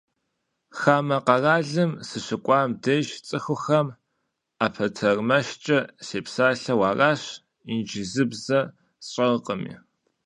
Хамэ къаралым сыщыкӏуам деж цӏыхухэм ӏэпэтэрмэшкӏэ сепсалъэу аращ, инджылыбзэ сщӏэркъыми.